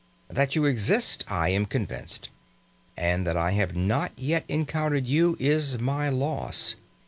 That you exist, I am convinced, and that I have not yet encountered you is my loss.